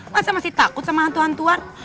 masa masih takut sama hantu hantuat